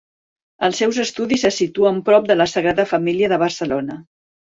Els seus estudis se situen prop de la Sagrada Família de Barcelona.